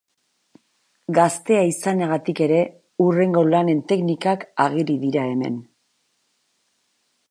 Gaztea izanagatik ere, hurrengo lanen teknikak ageri dira hemen.